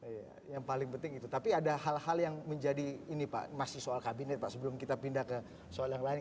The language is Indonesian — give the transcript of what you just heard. iya yang paling penting itu tapi ada hal hal yang menjadi ini pak masih soal kabinet pak sebelum kita pindah ke soal yang lain